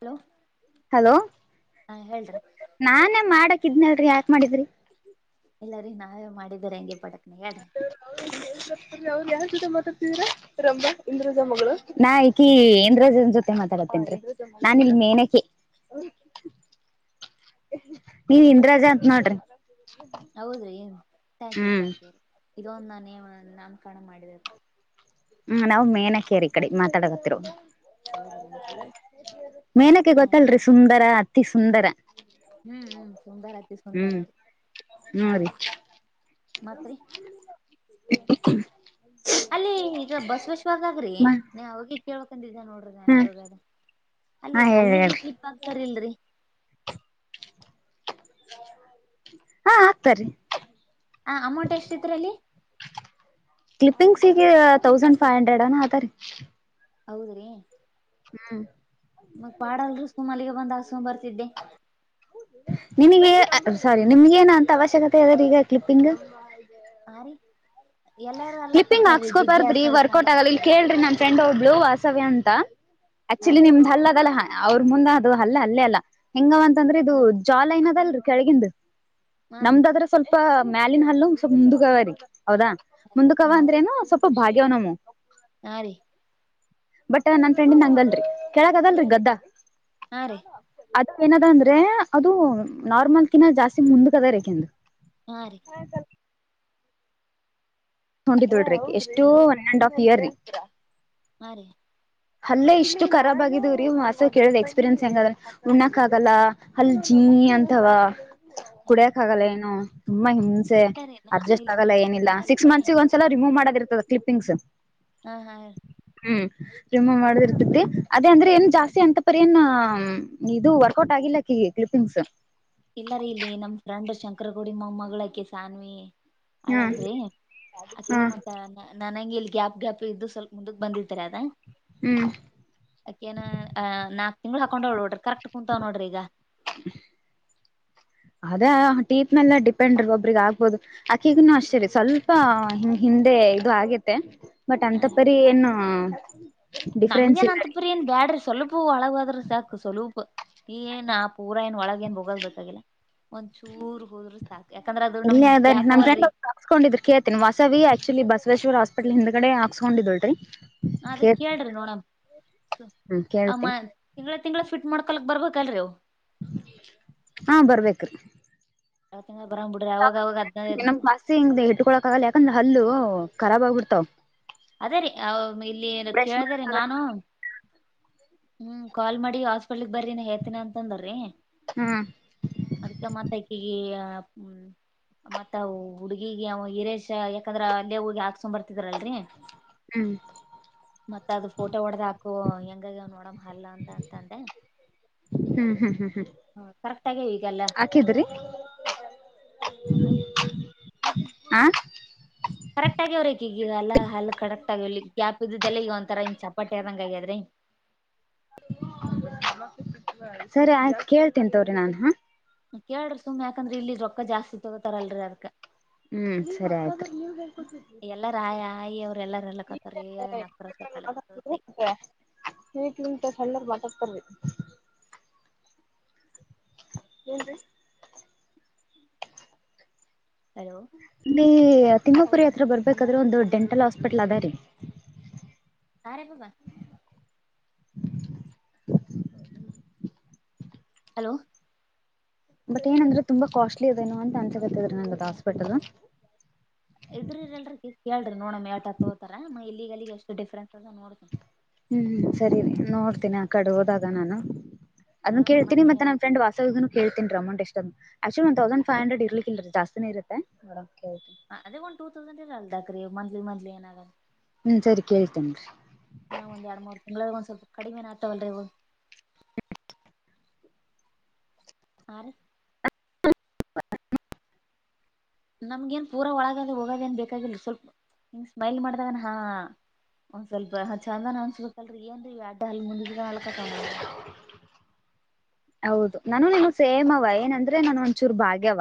Hello hello ಹಾ ಹೇಳ್ರಿ [inaudible] ನಾನೇ ಮಾಡಕ ಇಧ್ನನ್ರೀ [unintelligible] ಯಾಕ್ ಮಾಡಿದ್ರಿ ಎಲ್ಲಾರೀ ನಾವೇ ಮಾಡಿದರೆ ಹಂಗೆ ಪದಕ [unintelligible] [inaudible] ಹೌದು ಯಾರ್ ಜೊತೆ ಮಾತಾಡ್ತಿದಿರ ರಂಬಾ ಇಂಧ್ರಜ ಮಗಳು ನಾ ಈಕಿ ಇಂದ್ರಜನ್ ಜೊತೆ ಮಾತ [unintelligible] ತೇನ್ರಿ ನಾನಿಲ್ಲಿ ಮೇನಕೆ [unintelligible] [unintelligible] ನೀನ್ ಇಂದ್ರಾಜ ಅಂತ ನೋಡ್ರಿ ಹೌದ್ರೀ thank you hmm thank you [unintelligible] ಇದೊಂದು ನಾನೇ ನಾಮಕರಣ ಮಾಡಿದ [inaudible] ಹ್ಮ್ ನಾವ್ ಮೇನಕೇರಿ ಕಡೆ ಮಾತಾಡಕತ್ತರು ಹೌದ್ರಿ [inaudible] ಮೇನಕೆ ಹ ಗೊತ್ತಲ್ರಿ ಸುಂದರ ಅತಿ ಸುಂದರ ಹ್ಮ್ ಹ್ಮ್ ಸುಂದರ ಅ ಸುಂದರ ಹ್ಮ್ ಹ್ಮ [inaudible] ರೀ ಆಯ್ತ [inaudible] ಮತ್ ರೀ [inaudible] ಅಲ್ಲಿ ಈಗ ಬಸವೇಶ್ವರಧಾಗ್ರೀ ಹ್ಮ ಅವಾಗಿ [unintelligible] ಕೇಳಬೇಕನ್ದ್ ನೋಡ್ರಿ ಅನ್ಪ ಹೋಗ ಹಾ ಆಲ್ಲಿ ಹೇಳಿ ಹಲ್ಲಿಗೆ ಹೇಳ್ರಿ ಕ್ಲಿಪ್ ಆಗ್ತಾರಲ್ರಿ ಹಾ ಹಾಕ್ತಾರೀ ಹ ಅಮೌಂಟ್ ಎಷ್ಟಿತ್ ರೀ ಅಲ್ಲಿ ಕ್ಲಿಪಿಂಗ್ಸ್ಗ ತೌಸಂಡ್ ಫೈವ್ ಹಂಡ್ರೆಡ್ ಅನಾ ಅದ ರೀ ಹೌದ್ರಿ ಹ್ಮ್ ಮ ಪಾಡಲ್ ಮಲ್ಲಿಗೆ ಬಂದ್ ಹಸ್ಮ ಬರ್ತಿದ್ದೆ ನಿನಗೆ ಸಾರಿ ನಿಮ್ಗ ಏನ ಅಂತ ಅವಶ್ಯಕತೆ ಅದ್ರ ಈಗ ಕ್ಲಿಪಿಂಗ್ ಆರಿೀ [unintelligible] ಕ್ಲಿಪ್ಪಿಂಗ್ ಹಾಕ್ಸ್ಕೋಬಾರ್ರಿ ವರ್ಕೌಟ್ ಆಗಲ್ಲ ಇಲ್ ಮಾಡ್ಲಕತ್ತವ್ರೀ ಕೇಳ್ರಿ ನನ್ ಫ್ರೆಂಡ್ ಒಬ್ಳು ವಾಾಸವ್ಯ ಅಂತ [inaudible] ಹಾ ಆಕ್ಚುಲಿ ರೀ ನಿಮ್ದ್ ಅಲ್ಲ ಅದಲ್ಲ ಅವ್ರರು ಮುಂದ್ ಅದು ಅಲ್ಲ ಅಲ್ಲೇ ಅಲ್ಲ ಹಂಗಂದ ಂದ್ರೆ [unintelligible] ಇದು ಹ್ಮ್ ಜಾಲ ಏನ ಅದಲ್ರಿ ಕೆಳಗಂದು ಹಾ ರೀ ನಮ್ದ ಆದ್ರೆ ಸ್ವಲ್ಪ ಮ್ಯಾಲಿನ ಹಲ್ಲ ಸ್ವಲ್ಪ ಮುಂದಕವ ರರಿ ಹೌದಾ ಮುಂದಕವ ಹ್ಮ್ ಅಂದ್ರೇನು ಸ್ವಲ್ಪ ಭಾಗ್ಯವನಮ್ಮ ಹಾ ರೀ ಬಟ್ ನನ್ ಫ್ರೆಂಡನ್ ಹಂಗಲ್ರರಿ ಕೆಳಕ್ ಆಗಲ್ರರಿ ಗದ್ದಾ ಹಾ ರೀ ಅದು ಏನದ ಅಂದ್ರೆ ಅದು ನಾರ್ಮಲ್ಕಿನ ಜಾಸ್ತಿ ಮುಂದಕ ಅದ ರೇಕಂದು ಹಾ ರೀ ಹಾಲ್ ಹೊಡಿದಡ್ರಿ [unintelligible] ಎಷ್ಟು hello one and half year ರೀ ಹಾ ರೀ ಅಲ್ಲೇ ಇಷ್ಟು ರಾಬ್ ಆಗಿದವ್ರೀ ಮಸ ಕೇಳದ ಎಕ್ಸ್ಪೀರಿಯನ್ಸ್ ಹೆಂಗ ಉಣಾಕ್ ಆಗಲ್ಲ ಅಲ್ಲಿ ಜೀ ನೀ ಅಂತವ ಹಾ ರೀ ಕುಡಿಯಕ ಆಗಲ್ಲ ಏನು ತುಂಬಾ ಹಿಂಸೆ ಇಲ್ಲ ರೀ ನಾನು ಅಡ್ಜಸ್ಟ್ ಇಲ್ಲಿ ಆಗಲ್ಲ ಕೇಳ್ಕೊಂಡ್ ಏನಿಲ್ಲ ಬಂದೀನಿ ಸಿಕ್ಸ್ ಅಲ್ರಿ ಮಂತ್ಸಗ ಒಂದ್ಸಲ ರಿಮೂವ್ ಮಾಡದ ಇರ್ತದೆ ಕ್ಲಿಪಿಂಗ್ಸ್ ಹಾ ಹಾ ಹ್ಮ್ ರಿಮೂವ್ ಮಾಡದಿರ್ತತಿ ಅದೇ ಅಂದ್ರೆ ಏನ್ ಜಾಸ್ತಿ ಅಂತ ಪರಿ ಏನ್ ಇದು ವರ್ಕೌಟ್ ಆಗಿಲ್ಲ ಆಕಿಗೆ ಕ್ಲಿಪಿಂಗ್ಸ್ ಇಲ್ಲಾರಿ ಇಲ್ಲಿ ನಮ್ ಫ್ರಂಡ್ ಶಂಕರ ಗುಡಿ ಮಮ್ಮಗಳಕಿ ಸಾನ್ವಿ ಹಾ ಅಳಲ್ರಿ, ಏನು, ಹಾ ಅಕಿನ, ಮತ್ತ ನನಂಗೆ. [unintelligible] ಗ್ಯಾಪ್, ಗ್ಯಾಪ್, ಇದ್ದು ಸ್ವಲ್, ಮುಂದಕ್ಕೆ! ಬಂದಿದಿರಾ. [unintelligible] ಹ್ಮ್. [unintelligible] ಏನ್, ನಾಕ್, ತಿಂಗಳು, ಹಾಕೊಂಡ್ನೋಡ್ರಿ ಕರೆಕ್ಟ್ನೋಡ್ರಿ, ಕರೆಕ್ಟ್, ಕುಂತಾವಾರಿ, ಈಗ. [inaudible] ಅದೇ, ಟೀಪ್, ಮೇಲ್ಲ ಡಿಪೆಂಡ್ ರ ಒಬ್ರಿಗೆ ಆಗ್ಬೋದು ಆಕಿಗೆನು, ಅಷ್ಟೇರ, ಸ್ವಲ್ಪ, ಹಿಂದ. [unintelligible] ಅದೆ, ಇದು, ಹಾಗೈತೆ, ಬಟ್ ಅಂತ ಪರಿ ಏನು ಡಿಫರೆನ್ಸ್, ನಮ್ಗೇನ್ ಇಲ್ಲ. ಅಂತಪರಿ ಏನ್ [unintelligible] ಬ್ಯಾಡ್ರಿ ಸ್ವಲ್ಪ, ಒಳಗಾದ್ರ ಸಾಕು, ಸ್ವಲ್ಪ, ಈ ಏನ್ ಆ ಪೂರಾ! ಏನ್ ಒಳಗ ಏನ್ ಬೋಗಾಗಬೇಕಾಗಿಲ್ಲ? [unintelligible] ಒಂದ್ಚೂರ್, ಹೋದ್ರ ಸಾಕು. ಯಾಕಂದ್ರೆ ಅದ್ರ ನಮ್ಗ್ ಗ್ಯಾಪ್ ಅವವಲ್ರಿ. [unintelligible] ಹ, ವಸವಿ ಆಕ್ಚುಲಿ ಬಸವೇಶ್ವರ! ಹಾಸ್ಪಿಟ್ಲ್ ಹಿಂದ ಕಡೆ ಹಾಸ್ಕೊಂಡಿದಿಲ್ರರಿ? [unintelligible] ಅದಕ್ಕೆ, ಹೇಳ್ರಿ ನೋಡೋಮು, ಸುಮು, ಹ್ಮ ಕೇಳ್ತೀನಿ ತಿಂಗತಿಂಗಳು. [unintelligible] ತಿಂಗಳು ಫಿಟ್, ಮಾಡಕ್ ಬರಬೇಕಲ್ಲ, ರೀ ಅವರು? [inaudible] ಹಾ, ಬರ ಬೇಕ್ರಿ. [unintelligible] ತಿಂಗಳ ತಿಂಗಳ ಬರಂಗ್ ಬಿಡ್ರಿ ಅವಾಗ ಅವಾಗ ಹದ್ನೈದ್ ನಮ್, ಆಸಿ, ಹಿಂಗ, ಇಟ್ಕೊಳಕ್ ಆಗಲ್ಲ ಯಾಕಂದ್ರೆ ಹಲ್ಲು ಕರೆ ಬಂದ್ಬಿಡ್ತಾವೆ. [unintelligible] ಅದೇ, ರೀ! ಅ ಇಲ್ಲಿ, ಕೇಳ್ದರಿ ಮಾಡಕ್ಕಾಗಲ್ಲ ನಾನು. [unintelligible] ಹ್ಮ್, ಕಾಲ್ ಮಾಡಿ, ಹಸ್. [inaudible] ಸ್ಕೂಲ್ ಬರ್ರಿ, ನನ್ ಹೇಳ್ತೀನಿ. ಅಂತಂದ್ರಿ, ಹ್ಮ್ ಹೇಳ್ತೀನಿ! ಮತ್ತೆ ಅಕಿಗಿ. [unintelligible] ಹ್ಮ್. [inaudible] ಮತ್ತ, ಹುಡ್ಗಿಗೆ ಹಿರೇಶ ಯಾಕಂದ್ರೆ! ಅಲ್ಲೇ ಹೋಗಿಸಿಕೊಂಡು, ಬರುತ್ತಿದ್ರಲ್ರಿ. ಹ್ಮ್ [inaudible] ಮತ್ತ, ಅದು ಫೋಟೋ ಹೊಡದ್ ಹಾಕು, ಹೆಂಗಾಗ್ಯವ ನೋಡು. [unintelligible] ನಮ, ಹಲ್ಲ ಅಂತ ಅಂದೆ. [inaudible] ಹ್ಮ್, ಹ್ಮ್, ಹ್ಮ್, ಹ್ಮ್, ಕರೆಕ್ಟ್ ಆಗ್ಯಾವ ಈಗೆಲ್ಲ ಹಾಕಿದ್ರು. [unintelligible] ಆ. [unintelligible] ಕರೆಕ್ಟ್ ಹೇಳಿ ಆಕಿಗೆ! ಹಾಲು ಕರೆಕ್ಟಾಗಿ, ಹೇಳಿ, ಗ್ಯಾಪ್ ಇದ್ದಲ್ಲೇ! ಈಗ ಒಂತರಾ, ಚಾಪಟಿ ಆದಂಗೆ ಹಾಗಿದೀ. [unintelligible] [unintelligible] [inaudible] ಸರಿ, ಆಯ್ತು, ಕೇಳ್ತೀನಿ ತಡೆಯಿರಿ ನಾನು, ಹಾ. [unintelligible] ಕೇಳ್ರಿ, ಸುಮ್ನೆ, ಯಾಕಂದ್ರ ಇಲ್ಲಿ ರೊಕ್ಕ, ಜಾಸ್ತಿ ತಗೋತಾರ! ಅಲ್ಲರೀ ಅದಕ. ಹ್ಮ್ ಸರಿ ಆಯ್ತು [inaudible] ಎಲ್ಲಾರ, ಆಯ ಆಯಿ! ಅವ್ರ ಎಲ್ಲಾರು, ಹೇಳಕ್ ಕರ್ತರಿ, ನಕಸೇಕರಿ. [unintelligible] ಅಲ್ಲಾ ಬುದ್ಧಿ ಇದ್ದೀಯ ನಿನಗೆ, ಮಲ್ಲಿಗೆ ಬಾಟಲ್ ಹಾಕ್ಬಾರ್ದು. [unintelligible] ಏನ್ರೀ. [unintelligible] ಹಲೋ ನೀವೂ. [unintelligible] ತಿಮ್ಮಪುರಿ, ಹತ್ರ ಬರಬೇಕಾದ್ರೆ! ಒಂದು ಡೆಂಟಲ್ ಹಾಸ್ಪಿಟಲ್ ಅದ ರೀ. [unintelligible] ಕಾರಿಹೋದ. [unintelligible] ಹಲೋ. [inaudible] ಬಟ್, ಏನಂದ್ರೆ ತುಂಬಾ ಕಾಸ್ಟ್ಲಿ! ಅದೇನು ಅಂತ ಅನ್ಸಕತ್ತಿದ್ರಿ ನಂಗ ಅದು ಹಾಸ್ಪಿಟಲ್. [unintelligible] ಇದ್ರ, ಇರಲರಿ ಕೇಳ್ರಿ ನೋಡೋಮ ಯಾವ ತರ ತಗೋತಾರೆ? ಇಲ್ಲಿಗಿ, ಅಲ್ಲಿಗೆ, ಎಷ್ಟು ಡಿಫರೆನ್ಸ್. [unintelligible] ಹ್ಮ್, ಹ್ಮ್ಮ್, ಸರಿ ನೋಡ್ತೀನಿ! ಆ ಕಡೆ ಹೋದಾಗ ನಾನು. [unintelligible] ಹಾ ಅದನ್ನು ಕೇಳ್ತನಿ. ಮನ್ನಿ ಮತ್ತ ನನ್ನ ಫ್ರೆಂಡ್ ವಾಸವಿ ಕೇಳು. [unintelligible] [unintelligible] ಅಮೌಟ್, ಎಸ್ಟು, ಅಂತ actually. One thousand, five hundred, ಇರಲಿಕ್ಕ, ಇಲ್ಲರಿ ಜಾಸ್ತಿನೇ ಇರುತ್ತೆ ನೋಡಮ್ ಕೇಳ್ತಿನಿ. [unintelligible] ಅದೇ, ಒನ್ ಟೂ ತೌಸಂಡ್, ಇರದಲ್ಲಕ್ರಿ, ಡಾಕ್ಟ್ರೇ ಮಂತಲಿ ಮಂತಲಿ ಏನಾಗಲ್ಲ. [inaudible] ಹ್ಮ, ಸರಿ ಕೆಳತಿನ್ರಿ. [inaudible] ಹಾ, ಒಂದು, ಎರಡು, ಮೂರು ತಿಂಗಳ ಸ್ವಲ್ಪ ಕಡಿಮೆ ಅತವಲ್ರಿ, ಅವು. [inaudible] ಹಾ, ರೀ. [inaudible] [inaudible] [unintelligible] ನಮ್ಗ ಏನ್ ಪೂರಾ ಒಳಗಾದ ಹೋಗೋದು ಏನ್ ಬೇಕು, ಸ್ವಲ್ಪ ಹಿಂಗ್ ಸ್ಮೈಲ್ ಮಾಡ್ದಾಗನ ಹಾ. [inaudible] ಒಂದ್, ಸ್ವಲ್ಪ ಆಚಗಣ, ತಿಳ್ಕೊಳ್ರಿ, ಏನ್ರೀ ಎರಡು, ಹಾಲು, ಮೂರುಕೊಂಡು, ಹಲ್ಕತನ. [unintelligible] [inaudible] [unintelligible] ಹೌದು, ನಾನು ನಿಮ ಸೇಮ. ಅವ ಏನಂದ್ರೆ ನಾನ ಒಂಚೂರು! ಭಾಗ್ಯವ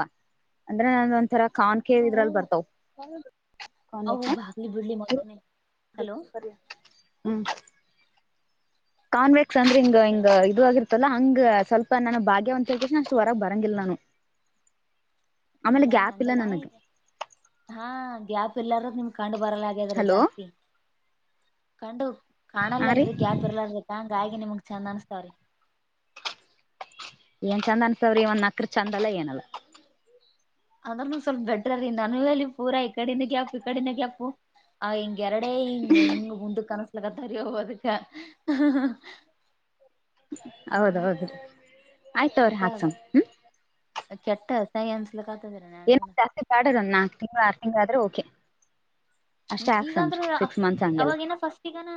ಅಂದ್ರೆ ನಾನ ಒಂಥರ? [inaudible] ಕಾನ್ಕೆವ, ಇವು ಇದರಲ್ಲಿ ಬರ್ತಾವೆ. [inaudible] ಅವು ಕೌನೆತುಮ್, ಬಾಗ್ಲಿ ಬಿಡ್ಲಿ ಮೊದಲೊಮ್ಮೆ ಹಲೋ ಹ್ಮ್. [unintelligible] ಕಾನ್ವೆಕ್ಸ್ ಅಂದ್ರೆ ಹಿಂಗ ಹಲೋ ಹಿಂಗ ಇದು ಓಗಿ. [unintelligible] ಮತ್ತಲ್ಲಾ ಹಂಗ ಸ್ವಲ್ಪ ನನ ಭಾಗ್ಯವಂತ ಅಷ್ಟು ಹೊರಗ್ ಬರಂಗಿಲ್ಲ ನಾನು ಆಮೇಲೆ ಇಲ್ಲಾರೀ ಗ್ಯಾಪ್ ಇಲ್ಲ ಹಂಗಲ್ಲ ನನಗ್ ಈಗ ಹಾ ಗ್ಯಾಪ್ ಇಲ್ಲಾರ ನಿಮಗ ಕಂಡ ಬರಲ್ಲ ಆಗದ್ರ ಹಲೋ ಜಾಸ್ತಿ ಕಂಡು ಹಾ ರೀ ಕಾಣಲ್ಲಲ್ರರಿ ಗ್ಯಾಪ್ ಇರ್ಲಾದಕ್ಕ ಹಂಗಾಗಿ ನಿಮಗ್ ಚಂದ ಅನಸಲ್ಲರೀ ಏನ್ ಚಂದ ಅನಸತವರಿ ಒಂದ್ ನಕ್ರ ಚಂದ ಅಲ್ಲ ಏನಲ್ಲ ಅದನ್ನು ಸ್ವಲ್ಪ ಬೆಟ್ಟರಿ ನನ್ನ ಎಲ್ಲಿ ಪೂರಾ ಈ ಕಡಿಂದ ಗ್ಯಾಪು ಈ ಕಡಿಂದ ಗ್ಯಾಪು ಆ ಹಿಂಗ ಎರಡೇ ಇಂಗ ಇಂಗ ಗುಂಡಕ ಅನ್ಸಕುಂತವರಿ ಅದಕ್ಕೆ ಹೌದೌದು ಆಯ್ತ ತೋರಿ ಮತ್ತ ಹಾಕ್ಸಮ್ಮ ಹ್ಮ್ ಕೆಟ್ಟ ಅಸಹ್ಯ ಅನ್ಸ್ಲಕತ್ತದ್ರಿ ಏನ ನನಗನ ಜಾಸ್ತಿ ಬ್ಯಾಡಾರ ಒಂದ ನಾಲ್ಕ ತಿಂಗಳ ಆರು ತಿಂಗಳ ಆದ್ರೆ ಓಕೆ ಹ್ಮ ಅಷ್ಟೇ ಹಾಕ್ಸಮ್ರಿ ಈಗಂದ್ರೆ ಸಿಕ್ಸ್ ಮಂತ್ಸ್ ಹಂಗೆಲ್ಲ ಅವಾಗೇನ ಪಸ್ಟಗಣ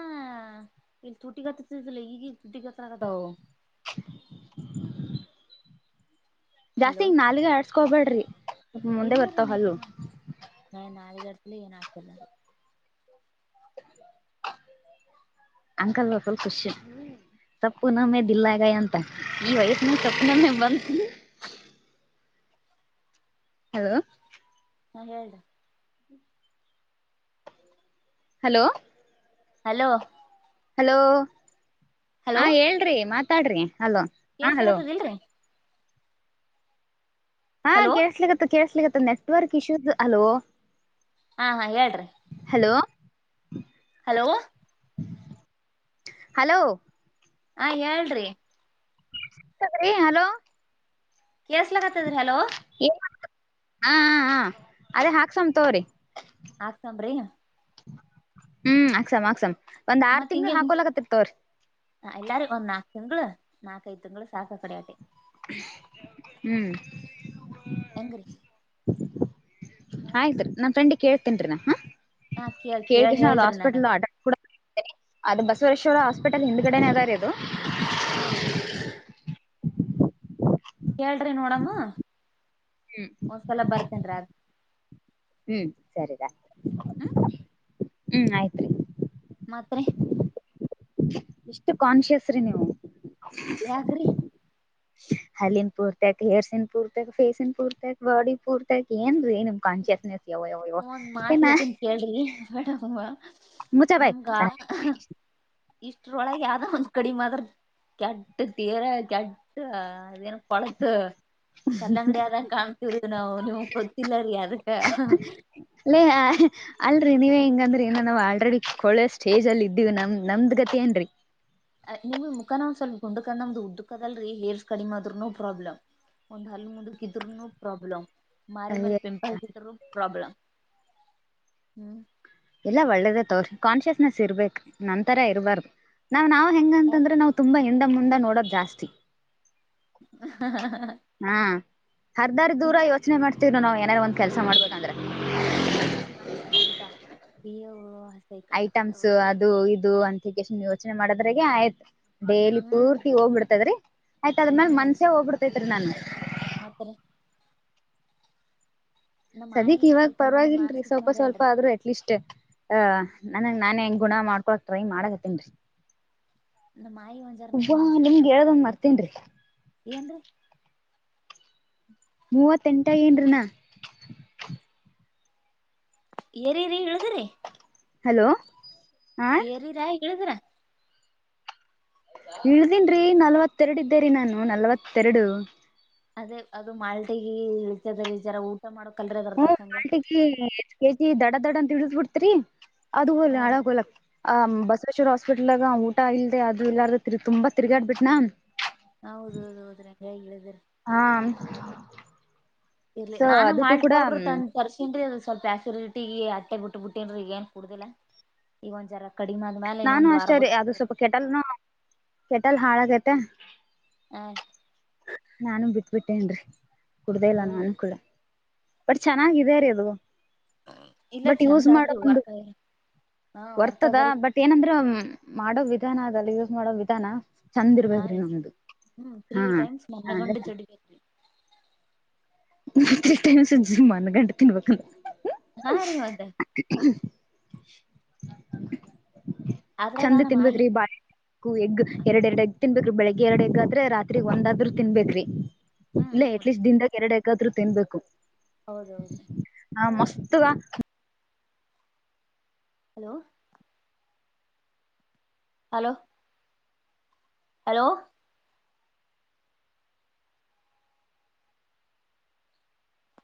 ಇಲ್ಲಿ ತೂಟಿಗಿ ಹತ್ತದಿಲ್ಲ ಈಗ ಈಗ ತುಟಿಗಿ ಹತ್ತ ಕುಂತವ ಜಾಸ್ತಿ ಹಲೋ ಈ ನಾಲಿಗಿ ಆಡ್ಸ್ಕೊಬೇಡ್ರಿ ಮುಂದೆ ಇಲ್ಲರಿ ಬರ್ತಾವ್ ನಾ ಹಲ್ಲು ಏನ್ ನಾ [inaudible] [inaudible] ಅಂಕಲ್ ಫುಲ್ ಖುಷ ತಪ್ಪು ನಮ್ಮೇ ದಿಲ್ಲಾಗ ಅಂತ ಈ ವಯಸ್ಸಿನ ತಪ್ಪನೊಮ್ಮೆ ಬಂತ ಹಲೋ ಹಾ ಹೇಳ ಹಲೋ ಹಲೋ ಹಲೋ ಹಾ ಹಲೋ ಹೇಳ್ರಿ ಮಾತಾಡ್ರಿ ಹಲೋ ಹಾ ಹಲೋ ಕೇಸ್ಲಗತ್ತದಿಲ್ರರಿ ಹಾ ಹಲೋ ಕೇಳ್ಸ್ಲಿಕ್ಕತ್ ಕೇಳ್ಸ್ಲಿಕ್ಕತ್ ನೆಟ್ವರ್ಕ್ ಇಶ್ಯೂಸ್ ಹಲೋ ಹಾ ಹಾ ಹೇಳ್ರಿ [unintelligible] ಹಲೋ ಹಲೋ ಹ ಹೇಳ್ರಿ ಿ ಹಲೋ ಕೇಸ್ಲಕತ್ತದ್ರಿ ಹಲೋ ಹಾ ಹ ಹ ಅದೇ ಹಾಕ್ಸಮ್ ತೋ್ರಿ ಆಾಕ್ತಂಬ್ರಿ ಹ್ಮ್ ಅಕ್ಸಾಮ್ ಅಕ್ಸಮ್ ಒಂದ್ ಆರ್ ತಿಂಗಗಳು ಹಾಕೊಲಕತ್ತರ್ತವ್ರಿ ಎಲ್ಲಾರಿಗ ಒಂದ್ ನಾಕಕ್ ತಿಂಗಳು ನಾಕಐದು ತಿಂಗಳು ಸಾಕ ಕಡಿಯದೆ ಹ್ಮ್ ಹೆಂಗ ರೀ ಆಯ್ತ್ರಿ ನನ್ ಫ್ರೆಂಡಿಗೆ ಕೇಳ್ತೇನ್ರಿೀ ನ ಹ ಹಾ ಕೇಳ್ ಕೇಳಳ್ ಕೇಳ್ ಕಷ್ಣ ಅದು ಹೇಳ್ರಿ ಹಾಸ್ಪಿಟಲ್ ನನಗ್ ಅದು ಬಸವರೇಶ್ವರ ಹಾಸ್ಪಿಟಲ್ ಹಿಂದ್ಗಡೆನೆೇ ಅದಾರ ಅದು ಆ ಹ ಕೇಳ್ರಿ ನೋಡಮ್ಮ ಹ್ಮ್ ಒಂದ್ಸಲ ಬರ್ತೇನ್ರಿ ಅದ ಹ್ಮ್ ಸರಿ ರಾತ್ ಹ್ಮ್ ಆಯ್ತ್ುೀ ಮಾತ್ರಿ ಎಷ್ಟು ಕಾನ್ಶಿಯಸ್ ರೀ ನೀವು ಯಾಕ್ರಿ ಹಲ್ಲಿನ್ ಪೂರ್ತ ಆಕ ಹೇರ್ಸನ್ ಪೂರ್ತ ಆಕ ಫೇಸನ್ ಪೂರ್ತ ಆಕ್ ಬಾಡಿ ಪೂರ್ತ ಆಕ ಏನ್ರೀ ನಿಮ್ ಕಾನ್ಸಿಯಸ್ನೆಸ್ ಒಂದ್ ಮಾತಿಗತ್ತನ್ ಕೇಳ್ರಿ ಮೇಡಮ್ಮ ಮುಚ್ಚ ಬಾಯ್ ನಮ್ಗ ಇಷ್ಟ್ರೊಳಗೆ ಯಾವ್ದ ಒಂದ್ ಕಡಿಮೆತ್ರ ಕೆಟ್ಟ ತೀವ್ರ ಕೆಟ್ಟ ಅ ಪಳತ ಕಲ್ಲಂಗಡಿ ಆದಂಗ ಕಾಣ್ತಿವ್ರಿ ನಾವು ನಿಮಗ್ ಗೊತ್ತಿಲ್ಲರಿೀ ಅದಕ್ಕ ಅಲ್ಲೇ ಅಲ್ರರಿ ನೀವೇ ಹೆಂಗಂದ್ರ ಏನ ನಾವ್ ಆಲ್ರೆಡಿ ಕೊೊಳ್ಳೆ ಸ್ಟೇಜ್ ಅಲ್ಲಿ ಇದ್ದೀವಿ ನಮ್ ನಮ್ದ ಅದ್ಗತಿ ಏನ್ರಿ ಮ್ ಮುಖಾನ ಒಂದ ಸ್ವಲ್ ಗುಂಡಕ್ ನಮ್ದು ಉದಡುಕದಲ್ರರಿ ಹೇರ್ಸ್ ಕಡಿಮ್ ಆದ್ರರು ನೋ ಪ್ರಾಬ್ಲಮ್ ಒಂದ್ ಹಲ್ ಮುಂದಕ್ ಇದ್ರರುನು ಪ್ರಾಬ್ಲ್ ಮಾರಿ ಮೇಲೆ ಅಯ್ಯ ಪಿಂಪಲ್ಸ್ ಇದರು ಪ್ರಾಬ್ಲಮ ಹ್ಮ್ ಎಲ್ಲಾ ಒಳ್ಳೇದ ತವ್ರಿ ಕಾನ್ಶಿಯಸ್ನೆಸ್ ಇರ್ಬೇಕಕ್ ನಂತರ ಇರಬಾರ್ದು ನಾವ್ ನಾವ್ ಹೆಂಗ ಯಾಕ ಅಂತಂದ್ರೆ ನಾ್ ತುಂಬಾ ಅಂಡ ಮುಂಡ ನೋಡೋದ ಜಾಸ್ತಿ ಹ ಹಾ ಹರ್ದಾರ್ ದೂರ ಯೋಚನೆ ಮಾಡ್ತವ್ರು ನಾವ್ ಏನಾರು ಒಂದ್ ಕೆಲ್ಸ ಮಾಡ್ಬಬೇಕಂದ್ರೆ ಹೌ ನಾನ ಮಾಾರ್ಸ ಮಾಡಿಬಿಟಾ ಅ ಐಟಮ್ಸ್ ಅದು ಇದು ಅಂತ ಎಷ್ಟ ಯೋಚನೆ ಮಾಡದ್ರಾಗ ಆಯ್ತು ಡೇಲಿ ಹ್ಮ್ ಪೂರ್ತಿ ಹೋಗ್ಬಿಡ್ತೈದ್ರಿ ಆಯ್ತ ಅದ್ಮ್ಯಾಲ ಮನ್ಸ್ಯ ಹೋಗ್ಬಿಡ್ತೈತ್ರಿ ನಾನ ಮತ್ತ ಸದ್ಯಕ್ ಆಯಿ ಇವಾಗ ಸ್ವಲ್ಪ ನನ್ ಪರವಾಗಿಲ್ರರಿ ಮಾನಸಿಕ್ ಸ್ವಲ್ಪ ಸ್ವಲ್ಪ ಮಾಡ್ಯಾಳ್ರಿ ಆದ್ರೂ ಅಟ್ಲೀಸ್ ಹ ನನ್ಂಗ ನಾನನ್ ಹೆಂಗ್ ಗುಣ ಮಾಡ್ಕೊಕ್ ಟ್ರೈ ಮಾಡಗತ್ತೇನ್ರಿ ನ ಮಾಯಿ ಒಜಾರ್ ನ ಮಾನ್ಸಿಟ್ ಹೇಳದಂಗ ಮಾಡಬಾಡ್ರಿ ಮರ್ತೇನ್ರಿ ಏನ್ರಿ ಮೂವತ್ತ ಎಂಟ ಏನ್ರನಾ ಏರಿರಿೀ ಹೇಳುದ್ರೀ ಹಲೋ ಹಾ ಏರಿ ರಾ ಹೇಳಿದ್ರಾ ಇಳ್ದೇನ್ರರಿ ನಲ್ವತ್ತೆರಡು ಇದ್ದೇರಿ ನಾನು ನಲ್ವತ್ತೆರಡು ಅದೇ ಅದು ಮಾಲ್ಟಗ ಇತದ ಜರ ಊಟ ಮಾಡ ಹ್ಮ ಆಾಲ್ಟಗಿ ಎ ಕೆಜಿ ದಡ ದಡ ಅಂತ ಹಡ್ದ್ ಬಿಡ್ತರಿ ಅದು ಹೋ ಹಾ ರೀ ಅಡಲಕ್ ಆ ರ್ ಹಾಸ್ಪಿಟಲ್ಗ ಊಟ ಇಲ್ಲದೆ ಅದು ಇಲ್ಲ ತುಂಬ ತಿರ್ಗಾಡ್ಬಿಟ್ನಾ ಹೌದ ಹೌದು ಹೌದ್ರ ಹೇಗ ಹೇಳಿದ್ರ ಹಾ ಇರ್ಲ್ಲಿ ಸೊ ನಾನು ಅದಕ್ಕೂ ಮಾಲ್ಟ್ ಕೂಡ ಪೌಡ್ರ ತ ತರ್ಸನ್್ರಿ ಅ ಸ್ವಲ್ಪ ಹಸಿರಿ ಇಟ್ಟ ಈಗ ಅಟ್ಟೆ ಬಿಟ್ಟ ಬಿಟ್ಟನ್ ಈಗ ಏನ್ ಕುಡುದಿಲ್ಲ ಈಗ ಒಂದ್ ಜರ ಕಡಿಮಿ ಆದ್ಮ್ಯಾಲ ನಾನು ಇನ್ನೊಂದ್ ವಾರ ಅಷ್ಟೇ ರೀ ಬಿಟ್ಟ ಅದು ಸ್ವಲ್ಪ ಕುಡಿಬೇಕ್ರಿ ಕೆಟಲ್ನು ಕೆಟಲ್ ಹಾಳಾಗೈತೆ ಆ ನಾನು ಬಿಟ್ ಬಿಟ್ಟೇನ್ರಿ ಕುಡ್ದೇ ಇಲ್ಲ ನಾನು ಹೌದ್ರಿ. ಕೂಡ ಬಟ್ ಚೆನ್ನಾಗಾಗಿದೆ ರೀ ಅದು ಇಲ್ಲ ಬಟ್ ಯೂಸ್ ಚಂದ ಮಾಡ ಆದ್ರಿ ಒಂದು ವರ್ಕ್ ಹಾ ವರ್ಕ್ ಬರ್ತದ ಆಗರಿ ಬಟ್ ಏನಂದ್ರೆ ಮಾಡೋ ವಿಧಾನ ಅದಲ್ಲ ಯೂಸ್ ಮಾಡೋ ವಿಧಾನ ಚಂದ ಹ ಇರ್ಬೇಕ್ರಿ ರ ನಮ್ದು ಹ್ಮ್ ತ್ರೀ ಹಾ ಟೈಮ್ಸ್ ಅಂದ್ರೆ ಮನ್ನಗೊಂಡು ಜಡಿಗರಿ ನ ಟೈಮ ಮಣ್ಣ ಗಂಡ ತಿನ್ಬೇಕಕ್ಕ ಹಾ ರೀ ಮತ್ತ ಅದ್ರಾಗ ಚಂದ ನಮ್ಮ ತಿಿಂದಬೇಕ ಮಾಯಿ ಕ್ರೀ ಬಾ ಎಗ್ ಎರಡ್ ಎರಡ್ಗ್ ತಿನ್ಬೇಕ್ರೀ ಬೆಳಿಗ್ಗೆ ಎರಡ್ ಎಗ್ಗ ಆದ್ರೆ ರಾತ್ರಿಗ್ ಒಂದಾದ್ರರು ತಿನ್ಬೇ್ರಿ ಹ್ಮ್ ಇಲ್ಲ ಹ್ಮ್ ಎಟ್ಲೀಸ್ಟ್ ದಿನದಾಗ ಎರಡ ಯಾಕಾದ್ೂ ತಿನ್ಬೇಕು ಹೌದೌದ್ರೀ ತದ ಹಲೋ ಹಲೋ ಹಲೋ